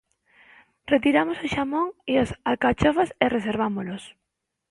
Retiramos o xamón e as alcachofas e reservámolos.